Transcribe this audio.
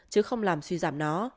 chứ không làm suy giảm nó